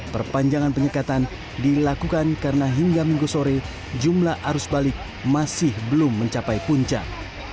perpanjangan penyekatan dilakukan karena hingga minggu sore jumlah arus balik masih belum mencapai puncak